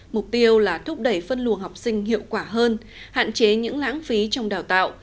mục tiêu là thúc đẩy phân luồng học sinh hiệu quả hơn hạn chế những lãng phí trong đào tạo